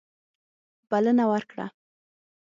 بلنه ورکړه.